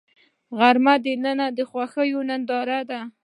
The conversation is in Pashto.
غرمه د دنننۍ خوښۍ ننداره ده